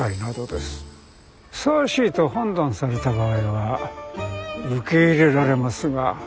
ふさわしいと判断された場合は受け入れられますが。